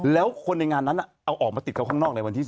แล้วคนในงานนั้นเอาออกมาติดเขาข้างนอกในวันที่๒